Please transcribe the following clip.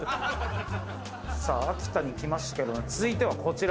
さあ秋田にいきましたけど続いてはこちら。